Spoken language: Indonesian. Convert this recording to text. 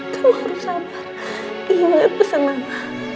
kamu harus sabar ingat pesan mama